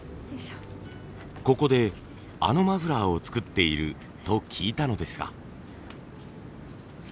ここであのマフラーを作っていると聞いたのですが。